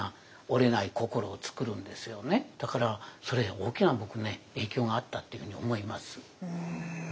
だからそれ大きな僕ね影響があったっていうふうに思います。